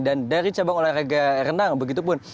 dan dari cabang olahraga renang begitu pun